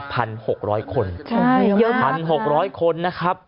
เป็นกองคดีธุรกิจการเงินนอกระบบ